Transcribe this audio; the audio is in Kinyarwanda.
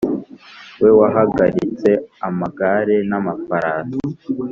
we wahagaritse amagare n’amafarasi,